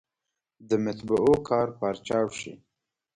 د مطبعو کار پارچاو شي.